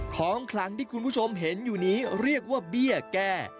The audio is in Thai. คลังที่คุณผู้ชมเห็นอยู่นี้เรียกว่าเบี้ยแก้